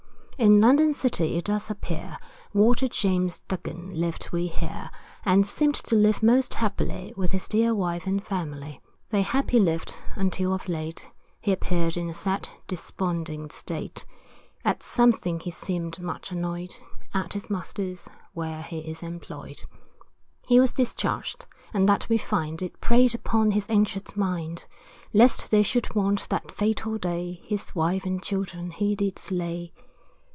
In London city it does appear, Walter James Duggin lived we hear, And seemed to live most happily, With his dear wife and family. They happy lived, until of late, He appear'd in a sad desponding state, At something he seem'd much annoy'd At his master's, where he is employed. He was discharged, and that we find, It preyed upon his anxious mind, Lest they should want, that fatal day, His wife and children he did slay.